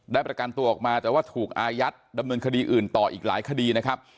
ประกันตัวออกมาแต่ว่าถูกอายัดดำเนินคดีอื่นต่ออีกหลายคดีนะครับ